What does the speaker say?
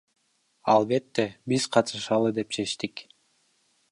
Албетте, биз катышалы деп чечтик.